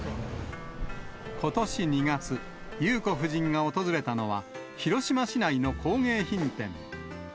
ことし２月、裕子夫人が訪れたのは、広島市内の工芸品店。